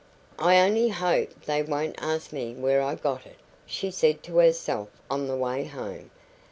"I only hope they won't ask me where I got it," she said to herself on the way home.